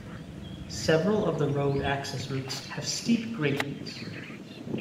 Several of the road access routes have steep gradients.